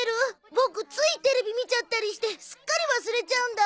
ボクついテレビ見ちゃったりしてすっかり忘れちゃうんだ。